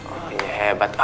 oh ini hebat